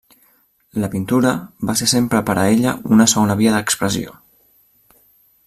La pintura va ser sempre per a ella una segona via d'expressió.